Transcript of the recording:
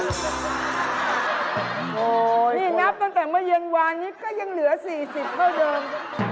โอ้โหนับตั้งแต่เมื่อเย็นวานนี้ก็ยังเหลือ๔๐เท่าเดิม